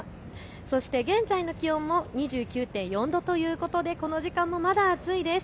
そして現在の気温も２９．４度ということでこの時間もまだ暑いです。